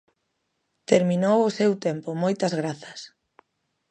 Terminou o seu tempo, moitas grazas.